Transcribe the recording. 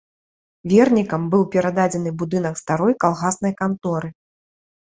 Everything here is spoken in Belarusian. Вернікам быў перададзены будынак старой калгаснай канторы.